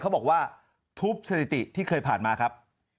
เขาบอกว่าทุบสถิติที่เคยผ่านมาครับ